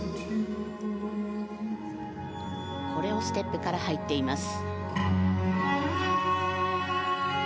コレオステップから入っています。